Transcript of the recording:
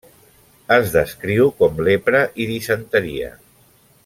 Es descriu com lepra i disenteria.